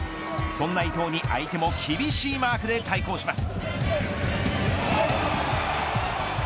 そんな伊東に、相手も厳しいマークで対抗します。